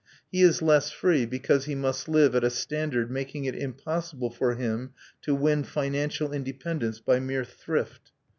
He is less free because he must live at a standard making it impossible for him to win financial independence by mere thrift.